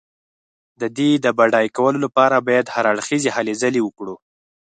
د دې د بډای کولو لپاره باید هر اړخیزې هلې ځلې وکړو.